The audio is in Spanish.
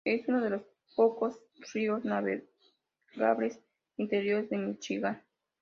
Es uno de los pocos ríos navegables interiores de Michigan.